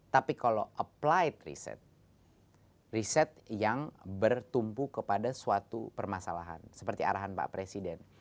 tapi kalau apply riset yang bertumpu kepada suatu permasalahan seperti arahan pak presiden